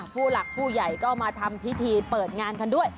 ผู้หลักผู้ใหญ่ก็มาทำพิธีเปิดงานกันด้วย